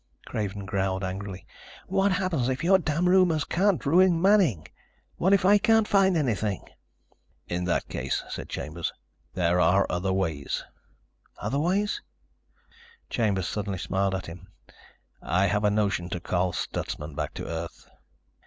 Craven growled angrily. "What happens if your damn rumors can't ruin Manning? What if I can't find anything?" "In that case," said Chambers, "there are other ways." "Other ways?" Chambers suddenly smiled at them. "I have a notion to call Stutsman back to Earth."